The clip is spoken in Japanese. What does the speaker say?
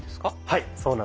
はいそうなんです。